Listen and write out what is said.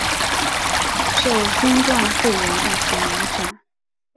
受新冠肺炎疫情影响